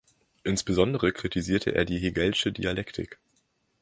Insbesondere kritisierte er die hegelsche Dialektik.